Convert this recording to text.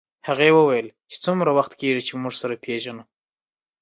هغې وویل چې څومره وخت کېږي چې موږ سره پېژنو